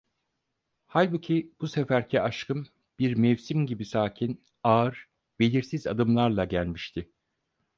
Halbuki bu seferki aşkım bir mevsim gibi sakin, ağır, belirsiz adımlarla gelmişti.